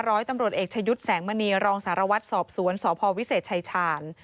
ร้อยตำรวจเอกชะยุทธ์แสงมณีรองสารวัตรสอบสวนสพวิเศษชายชาญ